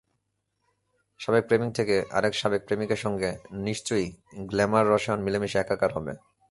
সাবেক প্রেমিক থেকে আরেক সাবেক প্রেমিকের সঙ্গে নিশ্চয়ই গ্ল্যামার-রসায়ন মিলেমিশে একাকার হবে।